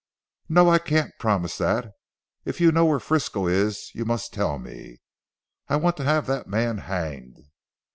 "No, I can't promise that. If you know where Frisco is you must tell me. I want to have that man hanged."